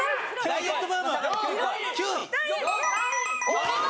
お見事！